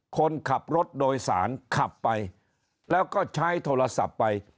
คนขับรถโดยสารขับไปแล้วก็ใช้โทรศัพท์ไป